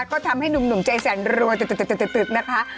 ก็ทำให้หนุ่มใจแสนรัวตึกนะคะ